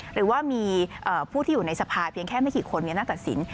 หรือว่ามีผู้ที่อยู่ในสภาเพียงแค่ไม่กี่คนมีอำนาจตัดสิน